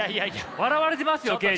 笑われてますよケージ。